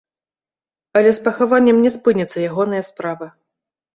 Але з пахаваннем не спыніцца ягоная справа.